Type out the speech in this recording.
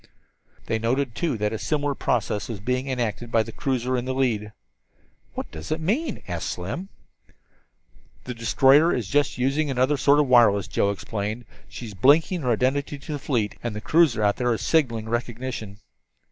They noted, too, that a similar process was being enacted by the cruiser in the lead. "What does it mean?" asked Slim. "The destroyer is just using another sort of wireless," Joe explained. "She is blinking her identity to the fleet, and the cruiser out there is signaling recognition."